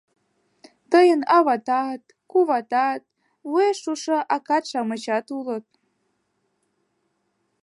Тыйын аватат, куваватат, вуеш шушо акат-шамычат улыт.